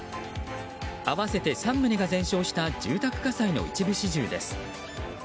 合わせて３棟が全焼した住宅火災の一部始終です。